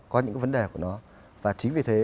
có những cái vấn đề của nó và chính vì thế